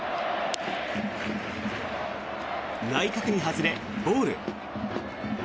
内角に外れ、ボール。